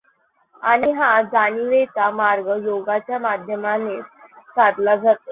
आणि हा जाणीवेचा मार्ग योगाच्या माध्यमानेच साधला जातो.